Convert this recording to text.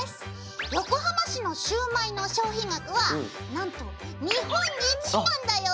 横浜市のシュウマイの消費額はなんと日本一なんだよ！